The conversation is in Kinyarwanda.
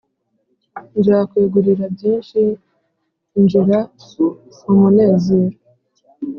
nzakwegurira byinshi injira mu munezero